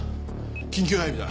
緊急配備だ。